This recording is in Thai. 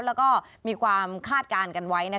แล้วก็มีความคาดการณ์กันไว้